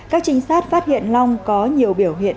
các trinh sát phát hiện long có nhiều biểu hiện